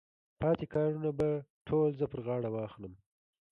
پاتې کارونه به ټول زه پر غاړه واخلم.